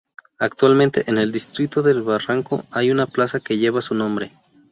Actualmente, en el Distrito de Barranco hay una plaza que lleva su nombre.